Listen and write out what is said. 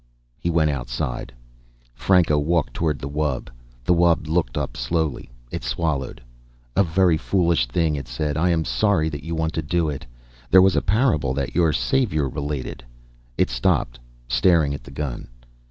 He went outside. Franco walked toward the wub. The wub looked up slowly. It swallowed. "A very foolish thing," it said. "I am sorry that you want to do it. There was a parable that your Saviour related " It stopped, staring at the gun.